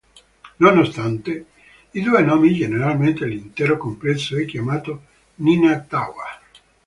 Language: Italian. Nonostante i due nomi, generalmente l'intero complesso è chiamato Nina Tower.